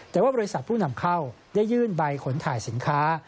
แต่ว่าบริษัทผู้นำเข้าได้ยื่นใบขนถ่ายสินค้า